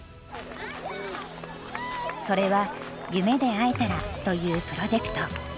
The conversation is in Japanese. それは「夢でえたら」というプロジェクト。